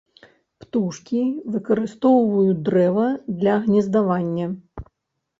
Птушкі выкарыстоўваюць дрэва для гнездавання.